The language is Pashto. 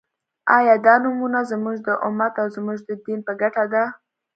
آیا دا نومؤنه زموږ د امت او زموږ د دین په ګټه ده؟